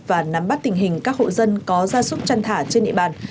và nắm bắt tình hình các hộ dân có gia súc chăn thả trên địa bàn